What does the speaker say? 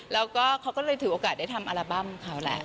แล้วก็เขาก็เลยถือโอกาสได้ทำอัลบั้มเขาแหละ